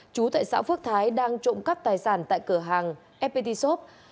chú tại xã phước thái đang trộm cắp tài sản tại cửa hàng fpt shop